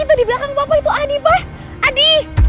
itu di belakang papa itu adi pak adi